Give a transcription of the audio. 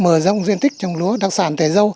mở rộng duyên tích trồng lúa đặc sản tẻ dâu